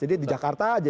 jadi di jakarta aja